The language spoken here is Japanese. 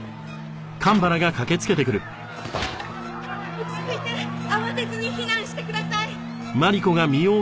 「落ち着いて慌てずに避難してください！」